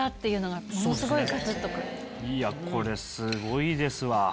これすごいですわ。